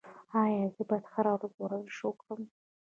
ایا زه باید هره ورځ ورزش وکړم؟